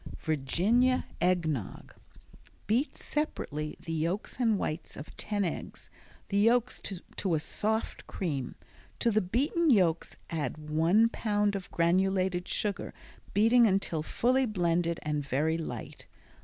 Virginia Egg Nog Beat separately the yolks and whites of ten eggs, the yolks to a soft cream. To the beaten yolks add one pound of granulated sugar, beating until fully blended and very light.